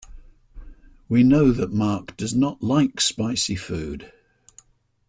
We know that Mark does not like spicy food.